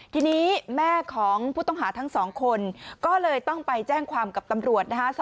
ทีนี้แม่ของผู้ต้องหาทั้ง๒คนก็เลยต้องไปแจ้งความกับตำรวจนะคะ